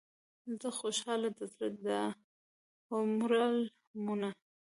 زه خوشحال د زړه دا هومره المونه.